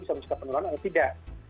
bisa mencetak penurunan atau tidak